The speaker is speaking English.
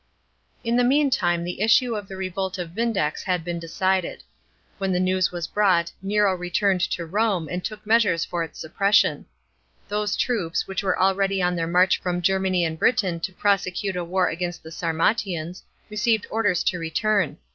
§ 21. In the meantime the issue of the revolt of Vindex had been decided. When the m^ ws was brought, Nero returned to Rome, and took measures lor its suppression. Those troops, which were already on their march from Germany and Britain to prosecute a war against the Sarmatians, received orders to return.